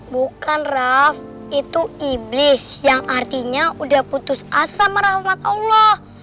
bukan raff itu iblis yang artinya udah putus asam rahmat allah